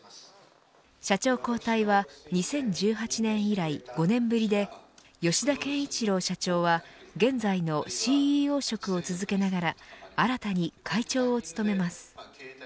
社長交代は２０１８年以来５年ぶりで、吉田憲一郎社長は現在のＣＥＯ職を続けながら新たに会長を務めます。